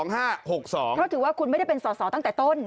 เพราะถือว่าคุณไม่ได้เป็นสอสอตั้งแต่ต้น